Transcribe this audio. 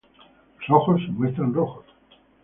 Los ojos se muestran rojos.